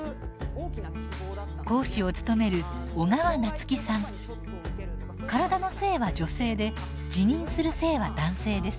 講師を務める体の性は女性で自認する性は男性です。